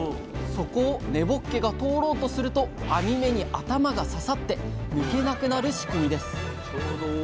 そこを根ぼっけが通ろうとすると網目に頭が刺さって抜けなくなる仕組みです